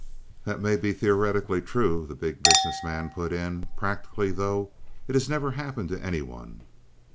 "That may be theoretically true," the Big Business Man put in. "Practically, though, it has never happened to any one."